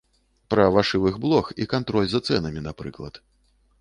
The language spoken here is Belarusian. Пра вашывых блох і кантроль за цэнамі, напрыклад.